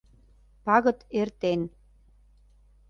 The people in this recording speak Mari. Пагыт эртен.